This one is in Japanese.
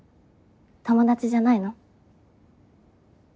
友達じゃないの？